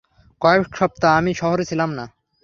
কয়েক সপ্তাহ আমি শহরে ছিলাম না।